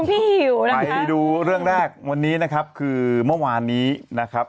หิวนะครับไปดูเรื่องแรกวันนี้นะครับคือเมื่อวานนี้นะครับ